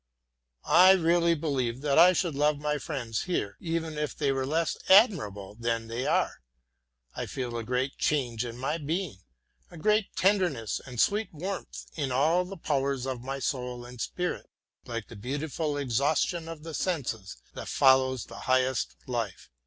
I really believe that I should love my friends here, even if they were less admirable than they are. I feel a great change in my being, a general tenderness and sweet warmth in all the powers of my soul and spirit, like the beautiful exhaustion of the senses that follows the highest life.